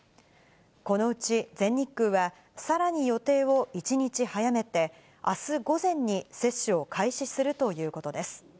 このうち全日空は、さらに予定を１日早めて、あす午前に接種を開始するということです。